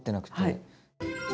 はい。